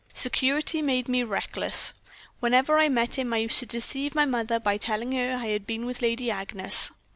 Security made me reckless. Whenever I met him I used to deceive my mother by telling her I had been with Lady Agnes.